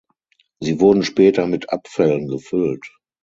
Sie wurden später mit Abfällen gefüllt.